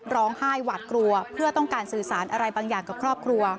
หวาดกลัวเพื่อต้องการสื่อสารอะไรบางอย่างกับครอบครัว